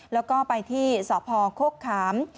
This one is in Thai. และไปที่สพคโค้กขาม